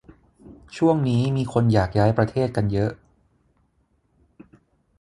ช่วงนี้มีคนอยากย้ายประเทศกันเยอะ